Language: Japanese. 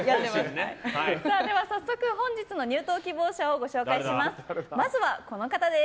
早速、本日の入党希望者をご紹介します。